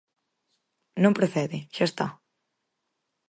Non procede, xa está.